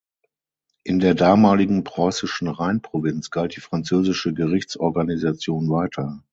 In der damaligen preußischen Rheinprovinz galt die französische Gerichtsorganisation weiter.